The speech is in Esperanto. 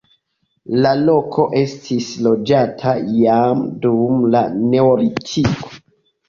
La loko estis loĝata jam dum la neolitiko.